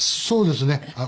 そうですね。